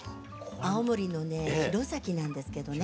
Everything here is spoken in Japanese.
青森のね弘前なんですけどね